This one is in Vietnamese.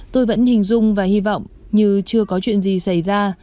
tôi vẫn hình dung và hy vọng như chưa có chuyện gì xảy ra